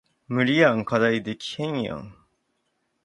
無理やん課題できへんやん